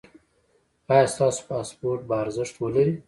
ایا ستاسو پاسپورت به ارزښت ولري؟